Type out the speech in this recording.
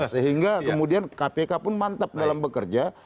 sehingga kemudian kpk pun mantap dalam bekerja